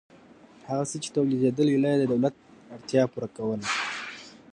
هغه څه چې تولیدېدل ایله د دولت اړتیا پوره کوله